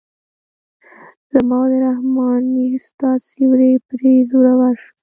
زما او د رحماني استاد ستوری پرې زورور شو.